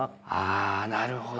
あなるほど。